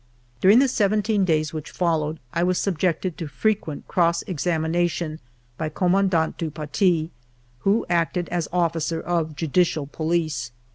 During the seventeen days which followed, I was subjected to frequent cross examination by Commandant du Paty, who acted as officer of judicial police.